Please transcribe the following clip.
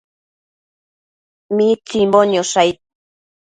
Utsimbo niosh aid